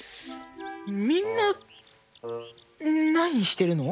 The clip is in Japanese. みんななにしてるの？